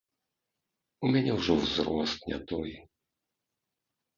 У мяне ўжо ўзрост не той.